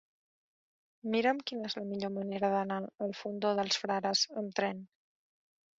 Mira'm quina és la millor manera d'anar al Fondó dels Frares amb tren.